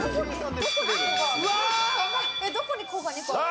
どこに「こ」が２個あるの？